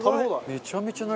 めちゃめちゃな量。